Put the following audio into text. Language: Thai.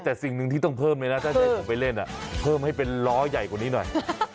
แต่สิ่งหนึ่งที่ต้องเพิ่มเลยนะถ้าจะให้ผมไปเล่นเพิ่มให้เป็นล้อใหญ่กว่านี้หน่อย